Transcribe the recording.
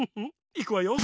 いくわよ。